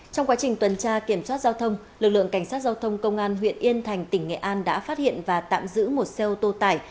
trong quá trình tuần tra kiểm soát giao thông lực lượng cảnh sát giao thông công an huyện yên thành tỉnh nghệ an đã phát hiện và tạm giữ một xe ô tô tải